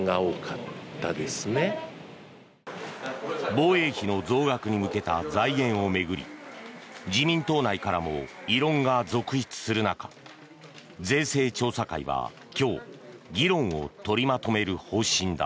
防衛費の増額に向けた財源を巡り自民党内からも異論が続出する中税制調査会は今日議論を取りまとめる方針だ。